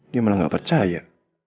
dia malah gak percaya